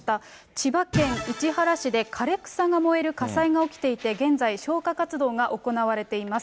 千葉県市原市で枯れ草が燃える火災が起きていて、現在、消火活動が行われています。